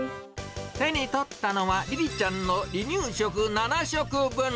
手に取ったのは、りりちゃんの離乳食７食分。